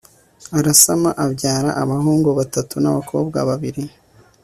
arasama abyara abahungu batatu n'abakobwa babiri